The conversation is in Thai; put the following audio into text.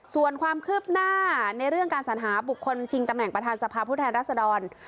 ส่วนความคืบหน้าในเรื่องการสัญหาบุคคลชิงตำแหน่งประธานสภาพผู้แทนรัศดร